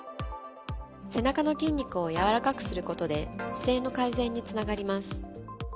背中の筋肉を柔らかくすることで、姿勢の改善につながります。